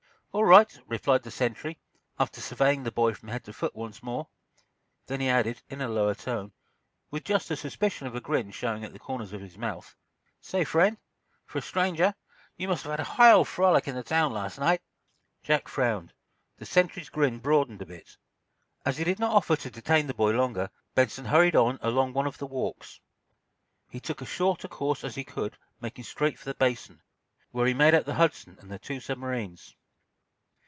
"All right," replied the sentry, after surveying the boy from head to foot once more. Then he added, in a lower tone, with just the suspicion of a grin showing at the corners of his mouth: "Say, friend, for a stranger, you must have had a high old frolic in the town last night." Jack frowned. The sentry's grin broadened a bit. As he did not offer to detain the boy longer, Benson hurried on along one of the walks. He took as short a course as he could making straight for the Basin, where he made out the "Hudson" and the two submarines.